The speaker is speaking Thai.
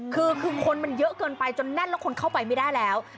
คือคนมันเยอะเกินไปจนแน่นแล้วคนเข้าไปไม่ได้แล้ว